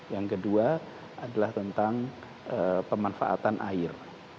yang kedua adalah tentang pemanfaatan air